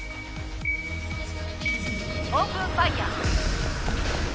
「オープンファイヤ」